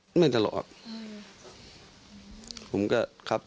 ผมก็บอกแยกหน้าทำไมอะไรอย่างนี้